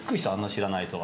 知らないとは。